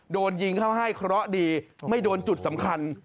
โดนยิงเข้าให้เคราะห์ดีไม่โดนจุดสำคัญ